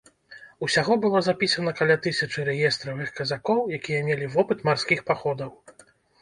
Усяго было запісана каля тысячы рэестравых казакоў, якія мелі вопыт марскіх паходаў.